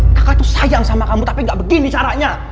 kaka tuh sayang sama kamu tapi gak begini caranya